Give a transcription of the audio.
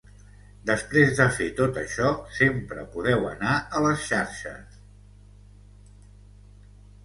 Després de fer tot això, sempre podeu anar a les xarxes.